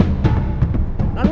gue harus gimana sekarang